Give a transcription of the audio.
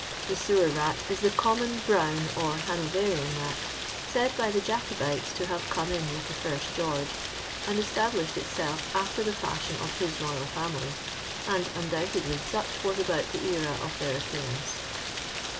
The sewerrat is the common brown or Hano verian rat, laid by the Jacobites to have come in with the first (George, and established itself after the fiuhion of his royal fiunily ; and undoubtedly saeh was about the era of their appearance.